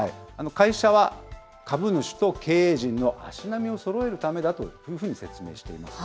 会社は、株主と経営陣の足並みをそろえるためだというふうに説明しています。